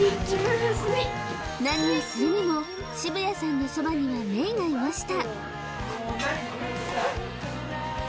何をするにも渋谷さんのそばにはメイがいました